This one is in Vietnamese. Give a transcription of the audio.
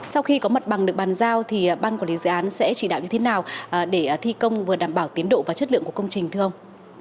sau khi có mặt bằng được bàn giao thì ban quản lý dự án sẽ chỉ đạo như thế nào để thi công vừa đảm bảo tiến độ và chất lượng của công trình thưa ông